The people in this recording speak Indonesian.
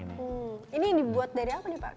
ini dibuat dari apa pak